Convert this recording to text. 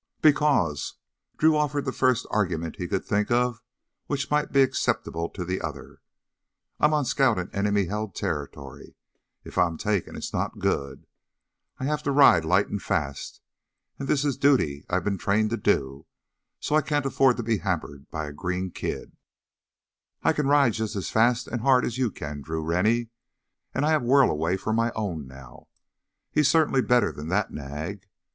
"Because," Drew offered the first argument he could think of which might be acceptable to the other, "I'm on scout in enemy held territory. If I'm taken, it's not good. I have to ride light and fast, and this is duty I've been trained to do. So I can't afford to be hampered by a green kid " "I can ride just as fast and hard as you can, Drew Rennie, and I have Whirlaway for my own now. He's certainly better than that nag!"